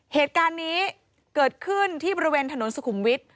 เหตุการณ์นี้เกิดขึ้นที่บริเวณถนนสุขุมวิทย์